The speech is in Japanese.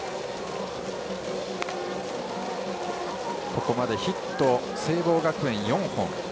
ここまでヒット聖望学園、４本。